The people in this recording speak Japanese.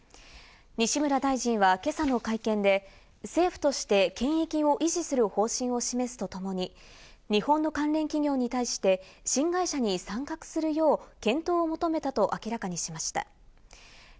西村大臣は今朝の会見で、政府として権益を維持する方針を示すとともに日本の関連企業に対して、新会社に参画するよう検討を求めたと明らかにしました。